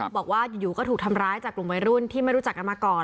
บอกว่าอยู่ก็ถูกทำร้ายจากกลุ่มวัยรุ่นที่ไม่รู้จักกันมาก่อน